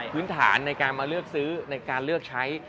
พื้นฐานในการมาเลือกซื้อในการเลือกใช้